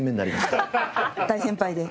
大先輩で。